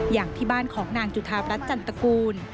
อย่างที่บ้านของนางจุธารัฐจันตกูล